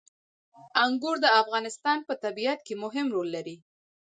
انګور د افغانستان په طبیعت کې مهم رول لري.